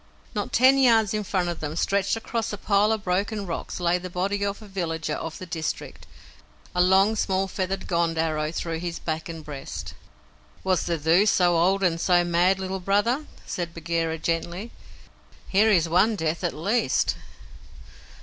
Not ten yards in front of them, stretched across a pile of broken rocks, lay the body of a villager of the district, a long, small feathered Gond arrow through his back and breast. "Was the Thuu so old and so mad, Little Brother?" said Bagheera gently. "Here is one death, at least."